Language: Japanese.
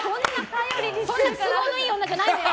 そんなに都合のいい女じゃないのよ